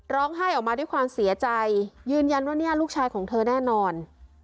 ร้องไห้ออกมาด้วยความเสียใจยืนยันว่าเนี่ยลูกชายของเธอแน่นอน